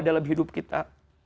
dalam hidup kita